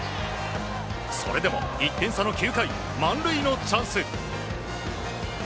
それでも１点差の９回に満塁のチャンス。